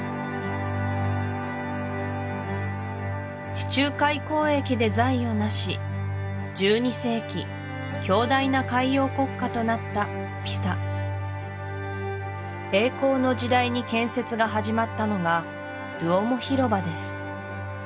地中海交易で財を成し１２世紀強大な海洋国家となったピサ栄光の時代に建設が始まったのがドゥオモ広場です